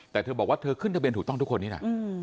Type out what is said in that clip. แต่เธอบอกว่าเธอขึ้นทะเบียนถูกต้องทุกคนนี้นะ